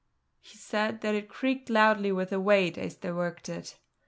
He said that it creaked loudly with the weight as they worked it.